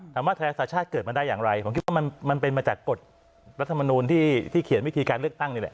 ไทยรักษาชาติเกิดมาได้อย่างไรผมคิดว่ามันเป็นมาจากกฎรัฐมนูลที่เขียนวิธีการเลือกตั้งนี่แหละ